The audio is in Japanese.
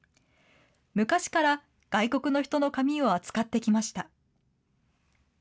昔から外国の人の髪を扱ってきました。